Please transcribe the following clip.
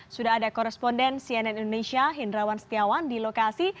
sudah ada koresponden cnn indonesia hendrawan setiawan di lokasi